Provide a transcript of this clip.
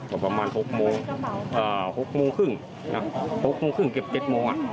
ก็ประมาณหกโมงอ่าหกโมงครึ่งน่ะหกโมงครึ่งเก็บเจ็ดโมงอ่ะ